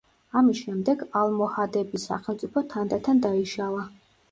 ამის შემდეგ ალმოჰადების სახელმწიფო თანდათან დაიშალა.